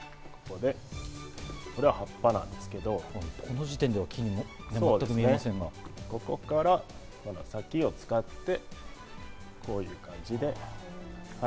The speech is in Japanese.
これは葉っぱなんですけど、ここから先を使って、こういう感じで。